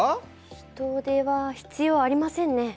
人手は必要ありませんね。